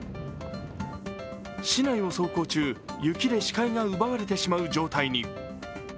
市内を走行中、雪で視界が奪われてしまう状態に。